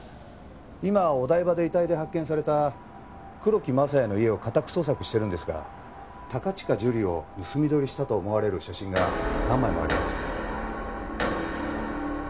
今お台場で遺体で発見された黒木政也の家を家宅捜索してるんですが高近樹里を盗み撮りしたと思われる写真が何枚もあります。